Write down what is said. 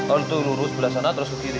untuk lurus sebelah sana terus ke kiri